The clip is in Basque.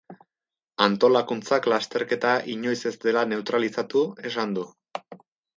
Antolakuntzak lasterketa inoiz ez dela neutralizatu esan du.